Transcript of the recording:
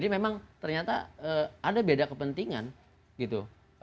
memang ternyata ada beda kepentingan gitu